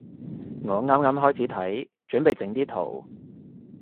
我啱啱開始睇，準備整啲圖